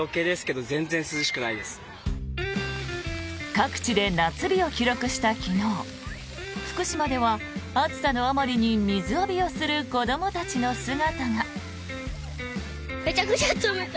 各地で夏日を記録した昨日福島では暑さのあまりに水浴びをする子どもたちの姿が。